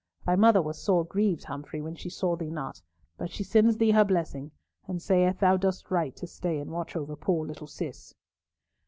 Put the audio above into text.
Thy mother was sore grieved, Humfrey, when she saw thee not; but she sends thee her blessing, and saith thou dost right to stay and watch over poor little Cis."